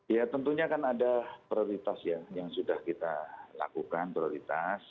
ya tentunya kan ada prioritas ya yang sudah kita lakukan prioritas